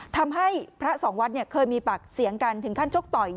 ทำให้พระสองวัดเคยมีปากเสียงกันถึงขั้นชกต่อย